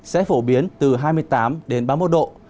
sẽ phổ biến từ hai mươi tám đến ba mươi một độ